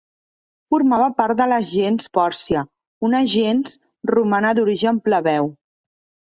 Formava part de la gens Pòrcia, una gens romana d'origen plebeu.